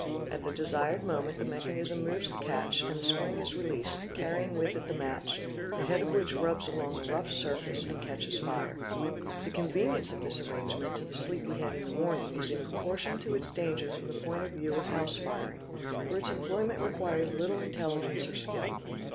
At the desired moment the mechanism moves the catch, and the spring is relea sed, carrying with it the match, the head of which rubs along a rough surface and catches fire. The convenience of this arrangement to the sleepy head in the morning is in proportion to its danger from the point of view of house firing, for its employment requires little intelligence or ' skill.